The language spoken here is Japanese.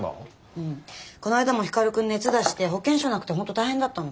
うんこの間も光くん熱出して保険証なくて本当大変だったの。